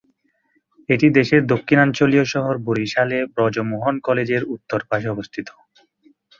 এটি দেশের দক্ষিণাঞ্চলীয় শহর বরিশাল এ ব্রজমোহন কলেজের উত্তর পাশে অবস্থিত।